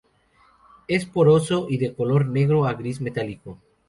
Es poroso y de color negro a gris metálico.